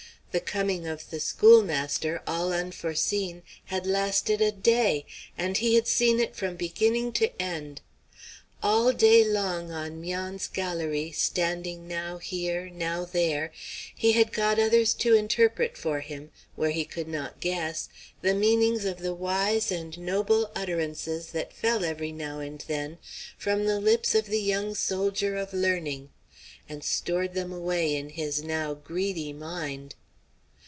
The coming of the schoolmaster, all unforeseen, had lasted a day, and he had seen it from beginning to end. All day long on 'Mian's galérie, standing now here, now there, he had got others to interpret for him, where he could not guess, the meanings of the wise and noble utterances that fell every now and then from the lips of the young soldier of learning, and stored them away in his now greedy mind.